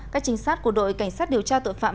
các trinh sát của đội cảnh sát điều tra tội phạm